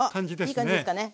いい感じですかね。